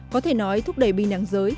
có thể nói thúc đẩy bình đẳng giới